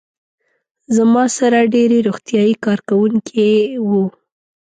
زما سره ډېری روغتیايي کارکوونکي وو.